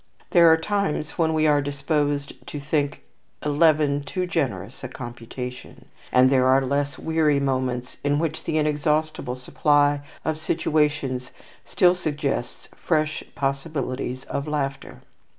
There are times when we are disposed to think eleven too generous a computation, and there are less weary moments in which the inexhaustible supply of situations still suggests fresh possibilities of laughter.